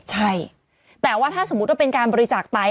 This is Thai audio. ใช่แต่ว่าถ้าสมมุติว่าเป็นการบริจาคไป